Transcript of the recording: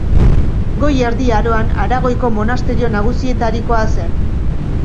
Goi Erdi Aroan, Aragoiko monasterio nagusietarikoa zen.